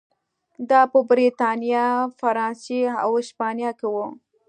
دا په برېټانیا، فرانسې او هسپانیا کې و.